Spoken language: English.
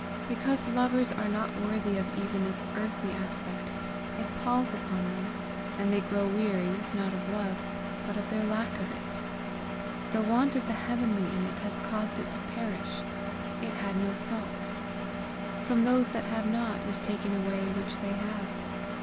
Because lovers are not worthy of even its earthly aspect, it palls upon them, and they grow weary, not of love, but of their lack of it. The want of the heavenly in it has caused it to perish: it had no salt. From those that have not is taken away that which they have.